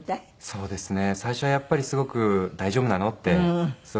そうですね。